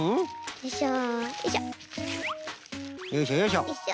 よいしょよいしょ。